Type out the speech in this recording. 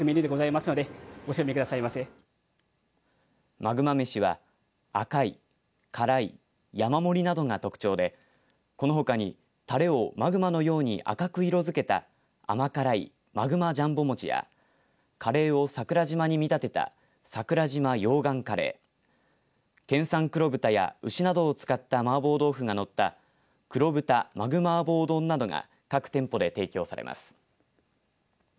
マグマ飯は赤い、辛い、山盛りなどが特徴でこのほかに、たれをマグマのように赤く色付けた甘辛いマグマ両棒餅やカレーを桜島に見立てた桜島溶岩カレー県産黒豚や牛などを使ったマーボー豆腐がのった黒豚マグマーボー丼などが各店舗で販売されています。